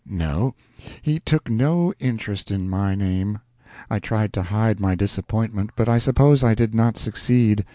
No, he took no interest in my name. I tried to hide my disappointment, but I suppose I did not succeed.